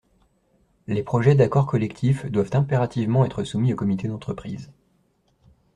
Les projets d’accord collectif doivent impérativement être soumis au comité d’entreprise.